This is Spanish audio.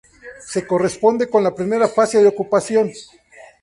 Se corresponde con la primera fase de ocupación.